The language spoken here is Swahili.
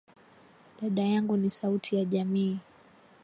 Dada yangu ni sauti ya jamii.